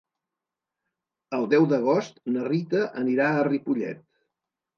El deu d'agost na Rita anirà a Ripollet.